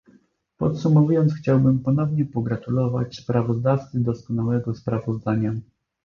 Podsumowując, chciałbym ponownie pogratulować sprawozdawcy doskonałego sprawozdania